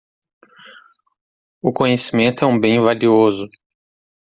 O conhecimento é um bem valioso